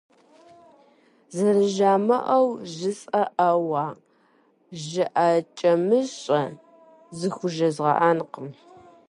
Зэрыжамыӏэу жысӏэӏуэӏауэ жыӏэкӏэмыщӏэ зыхужезгъэӏэнкъым.